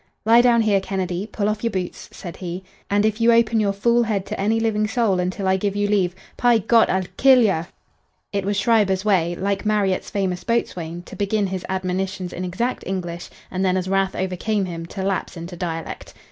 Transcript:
"Lie down here, Kennedy. Pull off your boots," said he, "and if you open your fool head to any living soul until I give you leave, py Gott I'll gill you!" It was Schreiber's way, like Marryatt's famous Boatswain, to begin his admonitions in exact English, and then, as wrath overcame him, to lapse into dialect.